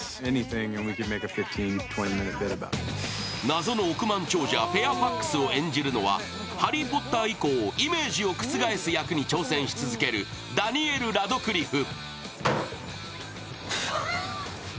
謎の億万長者フェアファックスを演じるのは、「ハリー・ポッター」以降、イメージを覆す役に挑戦し続けるダニエル・ラドクリフ。